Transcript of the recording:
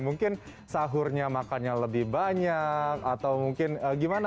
mungkin sahurnya makannya lebih banyak atau mungkin gimana